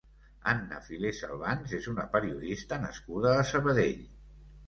Anna Filé Salvans és una periodista nascuda a Sabadell.